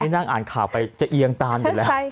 นั่งอ่านข่าวไปจะเอียงตามอยู่แล้ว